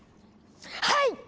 はい！